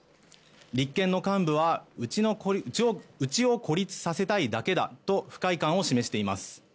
立憲の幹部はうちを孤立させたいだけだと不快感を示しています。